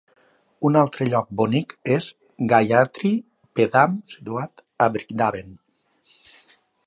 Un altre lloc bonic és Gayathri Peedam, situat a Brindhaven.